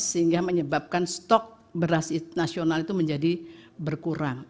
sehingga menyebabkan stok beras nasional itu menjadi berkurang